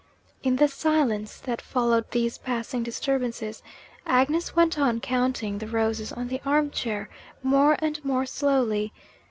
In the silence that followed these passing disturbances, Agnes went on counting the roses on the arm chair, more and more slowly.